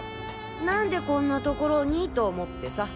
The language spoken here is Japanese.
なんでこんな所に？と思ってさ。